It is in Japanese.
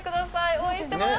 応援してます。